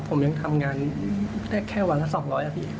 ผมยังทำงานได้แค่วันละสองร้อยอาทิตย์